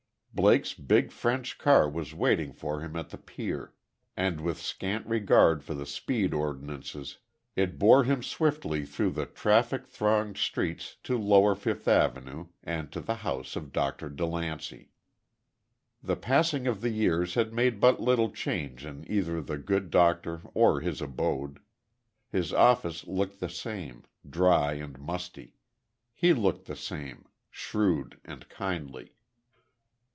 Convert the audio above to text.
Blake's big French car was waiting for him at the pier; and, with scant regard for the speed ordinances, it bore him swiftly through the traffic thronged streets to lower Fifth Avenue, and to the house of Dr. DeLancey. The passing of the years had made but little change in either the good doctor or his abode. His office looked the same dry and musty. He looked the same shrewd and kindly.